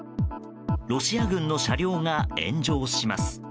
ロシア軍の車両が炎上します。